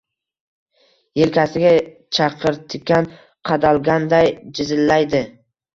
Yelkasiga chaqirtikan qadalganday jizillaydi.